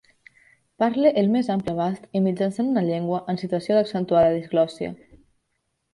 Parle al més ampli abast i mitjançant una llengua en situació d’accentuada diglòssia.